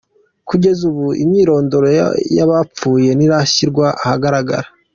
Kugeza ubu, imyirondoro y’abapfuye ntirashyirwa ahagaragara.